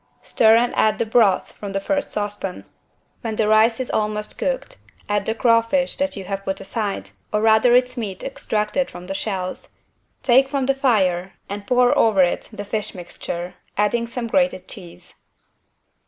Stir and add the broth from the first saucepan. When the rice is almost cooked add the craw fish that you have put aside, or rather its meat extracted from the shells, take from the fire and pour over it the fish mixture, adding some grated cheese.